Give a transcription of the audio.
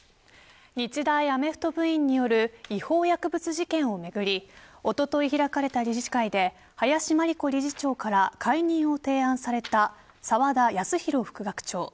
日大アメフト部員による違法薬物事件をめぐりおととい開かれた理事会で林真理子理事長から解任を提案された沢田康広副学長。